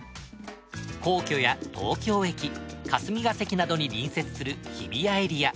皇居や東京駅霞が関などに隣接する日比谷エリア。